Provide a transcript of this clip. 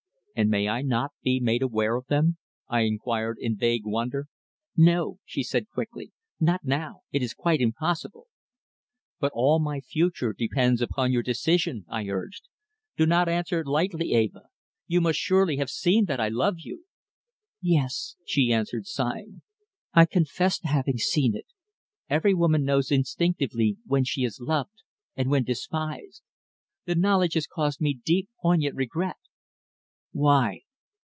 "And may I not be made aware of them?" I inquired in vague wonder. "No," she said quickly. "Not now. It is quite impossible." "But all my future depends upon your decision," I urged. "Do not answer lightly, Eva. You must surely have seen that I love you?" "Yes," she answered, sighing. "I confess to having seen it. Every woman knows instinctively when she is loved and when despised. The knowledge has caused me deep, poignant regret."